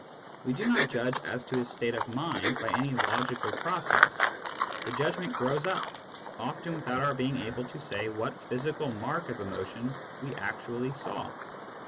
We do not judge as to his state of mind by any logical process : the judgment grows up, often without our being able to say what physical mark of emotion we actually saw.